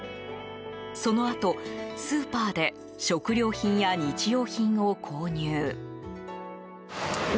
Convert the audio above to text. そのあと、スーパーで食料品や日用品を購入。